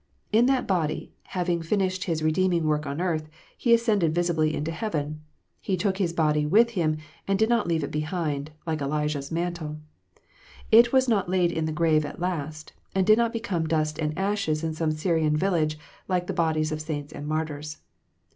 In that body, having finished His redeeming work on earth, He ascended visibly into heaven. He took His body with Him, and did not leave it behind, like Elijah s mantle. It was not laid in the grave at last, and did not become dust and ashes in some Syrian village, like the bodies of saints and martyrs.